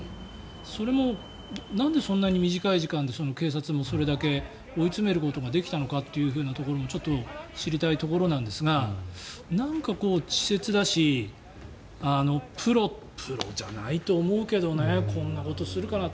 それも、なんでそんなに短い時間で警察もそれだけ追い詰めることができたのかというところもちょっと知りたいところですがなんか稚拙だしプロじゃないと思うけどねこんなことするかな？